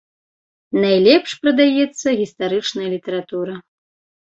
Найлепш прадаецца гістарычная літаратура.